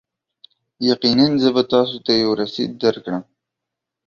یقینا، زه به تاسو ته یو رسید درکړم.